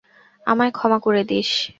আমায় ক্ষমা করে দিস।